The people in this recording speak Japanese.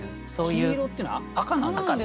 「緋色」っていうのは赤なんですね。